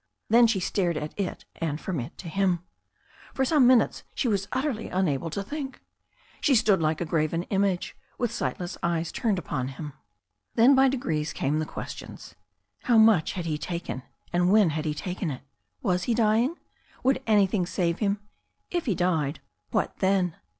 Then she stared at it, and from it to him. For some minutes she was utterly unable to think. She stood like a graven image, with sight less eyes turned upon him. Then by degrees came the questions. How much had he taken, and when had he taken it? Was he dying? Would an3rthing save him? If he died — what then?